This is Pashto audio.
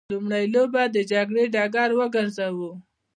لومړی به د جګړې ډګر وګورو.